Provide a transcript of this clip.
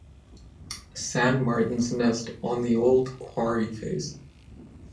Sand martins nest on the old quarry face.